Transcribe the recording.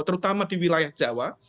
terutama di wilayah jawa